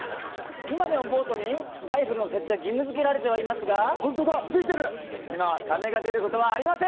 今でもボートにライフルの設置が義務づけられてはいますがホントだついてる今はサメが出ることはありません